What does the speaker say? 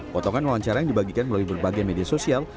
potongan wawancara yang dibagikan melalui berbagai media sosial